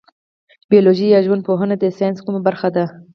بیولوژي یا ژوند پوهنه د ساینس کومه برخه ده